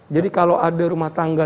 jadi kalau ada rumah tangga